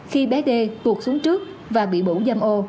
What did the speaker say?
khi bé d tuột xuống trước và bị bủ dâm ô